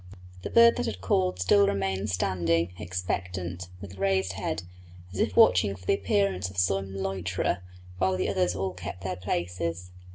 The bird that had called still remained standing, expectant, with raised head, as if watching for the appearance of some loiterer, while the others all kept their places.